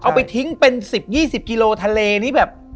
เอาไปทิ้งเป็น๑๐๒๐กิโลทะเลนี่แบบ